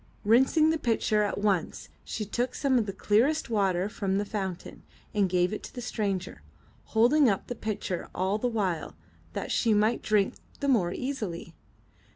Rinsing the pitcher at once, she took some of the clearest water from the fountain, and gave it to the stranger, holding up the pitcher all the while, that she might drink the more easily.